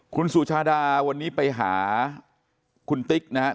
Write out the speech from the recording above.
คุณสุชาดาวันนี้ไปหาคุณติ๊กนะครับ